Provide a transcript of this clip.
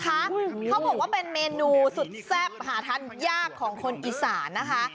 เขาบอกว่าเป็นเมนูสุดแซ่บหาทานยากของคนอีสานนะคะ